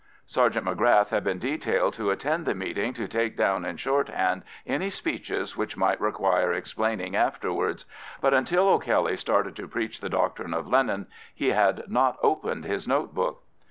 Sergeant M'Grath had been detailed to attend the meeting to take down in shorthand any speeches which might require explaining afterwards, but until O'Kelly started to preach the doctrine of Lenin he had not opened his notebook.